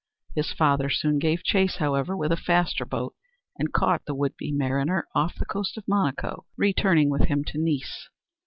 His father soon gave chase, however, with a faster boat, and caught the would be mariner off the coast of Monaco, returning with him to Nice.